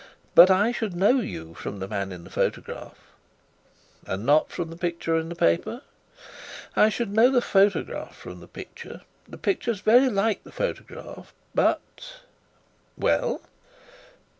"But I should know you from the man in the photograph." "And not from the picture in the paper?" "I should know the photograph from the picture: the picture's very like the photograph, but " "Well?"